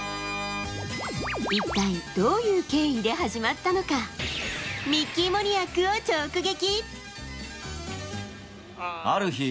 一体、どういう経緯で始まったのか、ミッキー・モニアックを直撃。